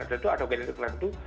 tentu atau keadaan tentu